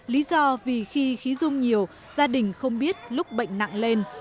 lý do vì khi khí dung nhiều gia đình không biết lúc bệnh nặng lên